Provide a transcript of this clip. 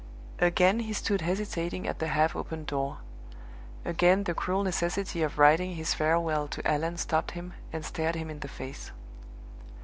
Again he stood hesitating at the half opened door; again the cruel necessity of writing his farewell to Allan stopped him, and stared him in the face.